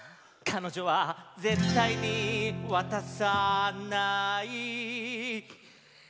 「彼女は絶対に渡さない」